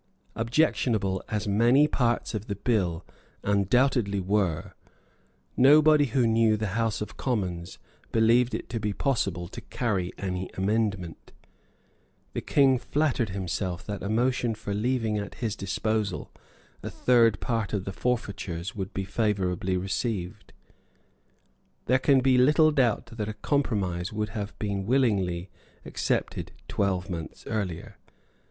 Objectionable as many parts of the bill undoubtedly were, nobody who knew the House of Commons believed it to be possible to carry any amendment. The King flattered himself that a motion for leaving at his disposal a third part of the forfeitures would be favourably received. There can be little doubt that a compromise would have been willingly accepted twelve months earlier.